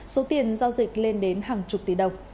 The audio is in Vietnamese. số tiền giao dịch lên đến hàng chục tỷ đồng